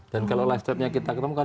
dan kalau lifetrapnya kita ketemu kan